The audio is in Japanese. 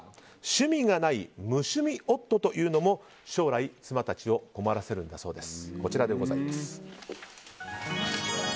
趣味がない無趣味夫というのも将来妻たちを困らせるんだそうです。